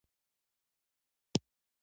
بحران څنګه کنټرول کړو؟